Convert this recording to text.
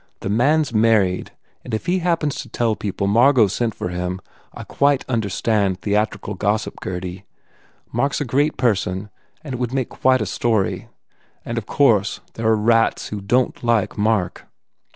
The man s married and if he happens to tell people Margot sent for him I quite understand theatrical gossip, Gurdy. Mark s a great person and it would make quite a story. And of course there are rats who don t like Mark."